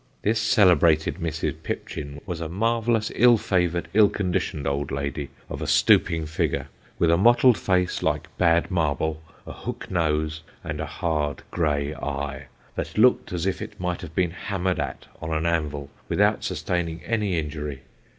This celebrated Mrs. Pipchin was a marvellous ill favoured, ill conditioned old lady, of a stooping figure, with a mottled face, like bad marble, a hook nose, and a hard grey eye, that looked as if it might have been hammered at on an anvil without sustaining any injury.